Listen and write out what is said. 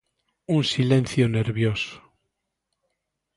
Un silencio nervioso.